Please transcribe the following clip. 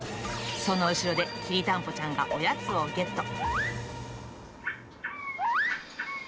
その後ろできりたんぽちゃんがおやつをゲット。